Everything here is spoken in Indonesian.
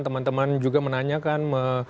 teman teman juga menanyakan